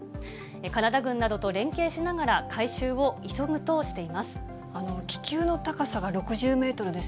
カナダ軍などと連携しながら回収を急ぐとしています。